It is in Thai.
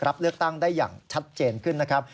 รับเลือกตั้งได้อย่างชัดเจนขึ้นนะครับ